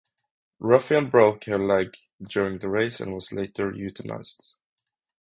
Ruffian broke her leg during the race and was later euthanized.